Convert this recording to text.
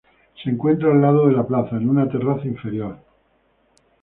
Se encuentra al lado de la plaza, en una terraza inferior.